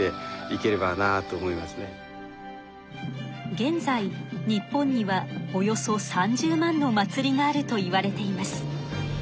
現在日本にはおよそ３０万の祭りがあるといわれています。